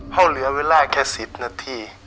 เขาเหลือเวลาแค่๑๐นาที